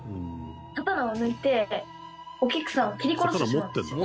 刀を抜いてお菊さんを斬り殺してしまうんですよ。